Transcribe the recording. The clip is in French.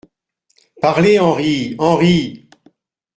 Parlez, Henri ! HENRI.